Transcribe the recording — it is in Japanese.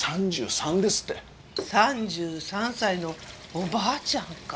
３３歳のおばあちゃんか。